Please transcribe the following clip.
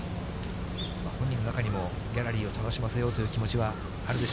本人の中にも、ギャラリーを楽しませようという気持ちはあるでし